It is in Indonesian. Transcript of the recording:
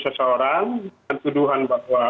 seseorang dengan tuduhan bahwa